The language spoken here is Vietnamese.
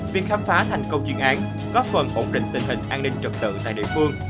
việc khám phá thành công chuyên án góp phần ổn định tình hình an ninh trật tự tại địa phương